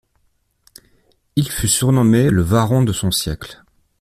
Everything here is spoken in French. Il fut surnommé le Varron de son siècle.